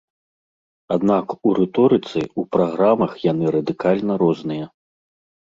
Аднак у рыторыцы, у праграмах яны радыкальна розныя.